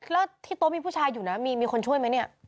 แล้วที่โต๊ะมีผู้ชายอยู่นะมีคนช่วยไหมเนี่ย